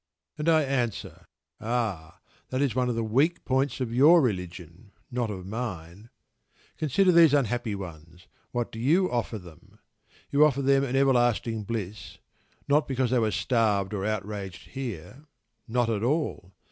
And I answer: "Ah! that is one of the weak points of your religion, not of mine." Consider these unhappy ones, what do you offer them? You offer them an everlasting bliss, not because they were starved or outraged here not at all.